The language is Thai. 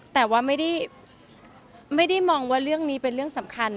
แต่ว่าไม่ได้มองว่าเรื่องนี้เป็นเรื่องสำคัญ